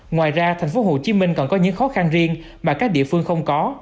ngoài ra tp hcm còn có những khó khăn riêng mà các địa phương không có